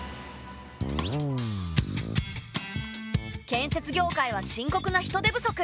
建設業界は深刻な人手不足。